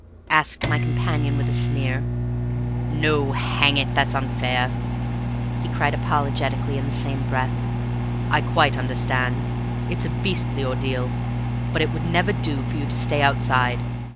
asked my companion, with a sneer. "No, hang it, that's unfair!" he cried apologetically in the same breath. "I quite understand. It's a beastly ordeal. But it would never do for you to stay outside.